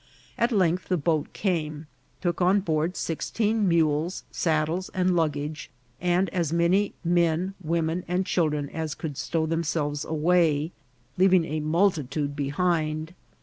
At length the boat came, took on board sixteen mules, saddles, and luggage, and as many men, women, and children as could stow themselves away, leaving a multitude behind.